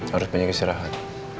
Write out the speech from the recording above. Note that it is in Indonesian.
harus banyak istirahat